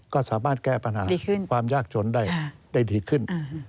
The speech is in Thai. ก็สามารถแก้ปัญหาความยากจนได้ดีขึ้น